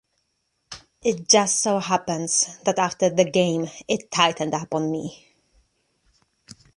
It just so happens that after the game, it tightened up on me.